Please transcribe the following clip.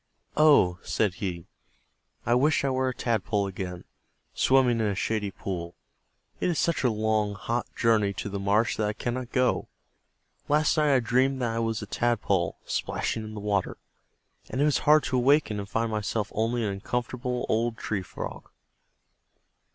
"Oh," said he, "I wish I were a Tadpole again, swimming in a shady pool. It is such a long, hot journey to the marsh that I cannot go. Last night I dreamed that I was a Tadpole, splashing in the water, and it was hard to awaken and find myself only an uncomfortable old Tree Frog."